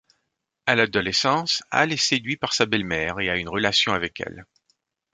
À l'adolescence, Hal est séduit par sa belle-mère et a une relation avec elle.